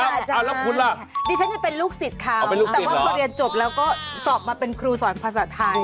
แล้วคุณล่ะดิฉันยังเป็นลูกศิษย์เขาแต่ว่าพอเรียนจบแล้วก็สอบมาเป็นครูสอนภาษาไทย